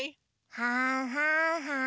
はんはんはん。